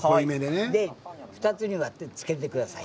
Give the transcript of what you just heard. ２つに割って、つけてください。